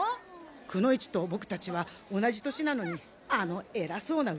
くの一とボクたちは同じ年なのにあのえらそうな上から目線。